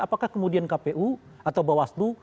apakah kemudian kpu atau bawaslu